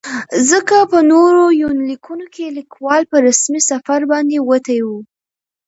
ځکه په نورو يونليکونو کې ليکوال په رسمي سفر باندې وتى و.